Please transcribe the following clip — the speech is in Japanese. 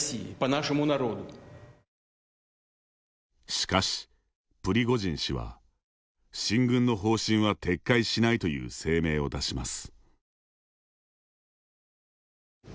しかし、プリゴジン氏は進軍の方針は撤回しないという声明を出します。